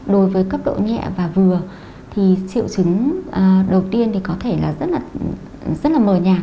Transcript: đối với cấp độ nhẹ và vừa thì triệu chứng đầu tiên thì có thể là rất là mờ nhạt